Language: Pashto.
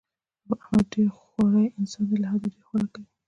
احمد ډېر خوری انسان دی، له حده ډېر خوراک کوي.